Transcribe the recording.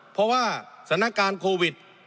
เพราะว่าสถานการณ์โควิด